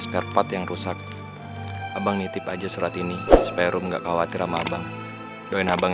spare part yang rusak abang nitip aja serat ini supaya rum enggak khawatir sama abang doin abang